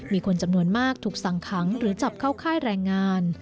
มีคนจำนวนมากถูกสั่งขังหรือจับเข้าค่ายแรงงาน